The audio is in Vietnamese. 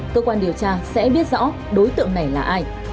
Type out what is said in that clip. cơ quan điều tra sẽ biết rõ đối tượng này là ai